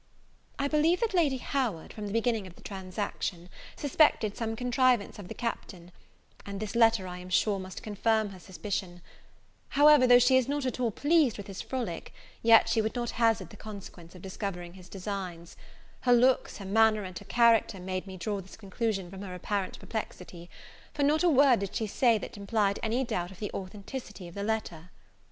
I believe that Lady Howard, from the beginning of the transaction, suspected some contrivance of the Captain; and this letter, I am sure, must confirm her suspicion: however, though she is not at all pleased with his frolic, yet she would not hazard the consequence of discovering his designs: her looks, her manner, and her character, made me draw this conclusion from her apparent perplexity; for not a word did she say that implied any doubt of the authenticity of the letter.